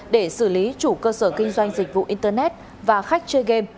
để xử lý chủ cơ sở kinh doanh dịch vụ internet và khách chơi game